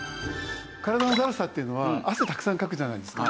体のだるさっていうのは汗たくさんかくじゃないですか。